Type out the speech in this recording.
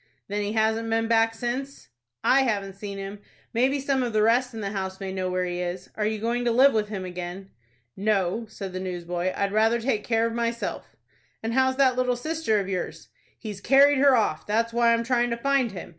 "Then he hasn't been back since?" "I haven't seen him. Maybe some of the rest in the house may know where he is. Are you going to live with him again?" "No," said the newsboy; "I'd rather take care of myself." "And how's that little sister of yours?" "He's carried her off. That's why I'm tryin' to find him.